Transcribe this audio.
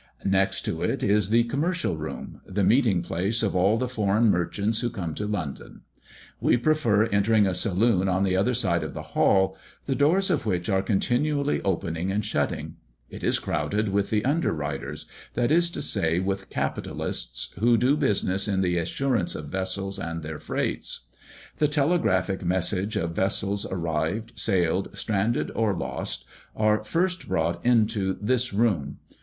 Next to it is the "Commercial Room," the meeting place of all the foreign merchants who come to London. We prefer entering a saloon on the other side of the hall, the doors of which are continually opening and shutting; it is crowded with the underwriters, that is to say, with capitalists, who do business in the assurance of vessels and their freights. The telegraphic messages of vessels arrived, sailed, stranded, or lost, are first brought into this room.